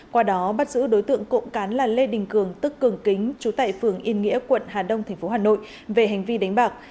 qua đó bắt giữ đối tượng cộng cán là lê đình cường tức cường kính trú tại phường yên nghĩa tp hà nội về hành vi đánh bạc